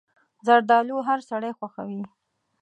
زردالو هر سړی خوښوي.